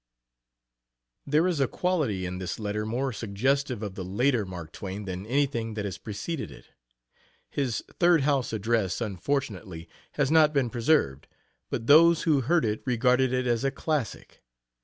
There is a quality in this letter more suggestive of the later Mark Twain than anything that has preceded it. His Third House address, unfortunately, has not been preserved, but those who heard it regarded it as a classic.